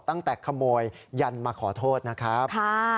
ตั้งแต่ขโมยยันมาขอโทษนะครับ